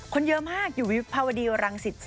คนเยอะมากอยู่วิภาวดีรังสิต๒